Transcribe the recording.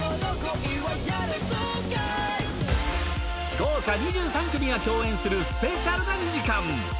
豪華２３組が共演するスペシャルな２時間！